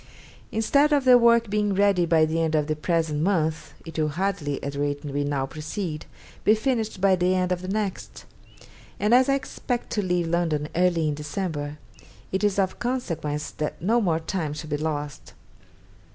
Instead of the work being ready by the end of the present month, it will hardly, at the rate we now proceed, be finished by the end of the next; and as I expect to leave London early in December, it is of consequence that no more time should be lost.